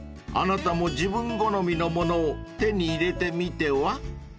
［あなたも自分好みのものを手に入れてみては？］